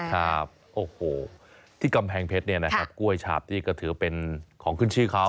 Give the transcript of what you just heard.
ครับโอ้โหที่กำแพงเพชรเนี่ยนะครับกล้วยฉาบที่ก็ถือเป็นของขึ้นชื่อเขา